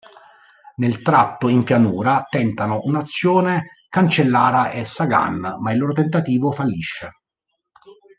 Nel tratto in pianura tentano un'azione Cancellara e Sagan, ma il loro tentativo fallisce.